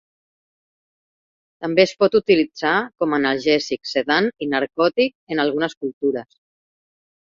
També es pot utilitzar com a analgèsic, sedant i narcòtic en algunes cultures.